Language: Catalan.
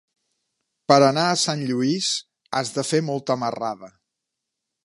Per anar a Sant Lluís has de fer molta marrada.